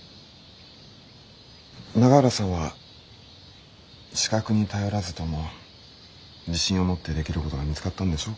永浦さんは資格に頼らずとも自信を持ってできることが見つかったんでしょう